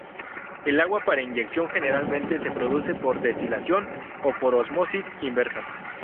El agua para inyección generalmente se produce por destilación o por ósmosis inversa.